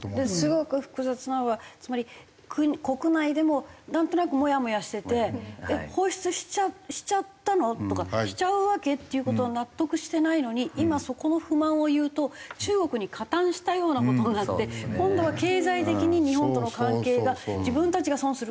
すごく複雑なのはつまり国内でもなんとなくモヤモヤしててえっ放出しちゃったの？とかしちゃうわけ？っていう事を納得してないのに今そこの不満を言うと中国に加担したような事になって今度は経済的に日本との関係が自分たちが損するから。